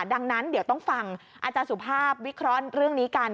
ดังนั้นเดี๋ยวต้องฟังอาจารย์สุภาพวิเคราะห์เรื่องนี้กัน